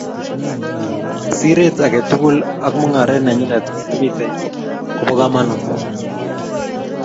Siret age tugul ak mung'aret nenyi nemitei ko bo kamanut